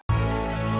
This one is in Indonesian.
anak dademit lu ya